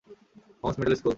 Holmes Middle school?